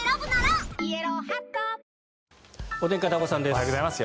おはようございます。